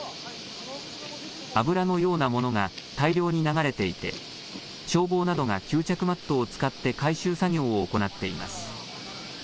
油のようなものが大量に流れていて消防などが吸着マットを使って回収作業を行っています。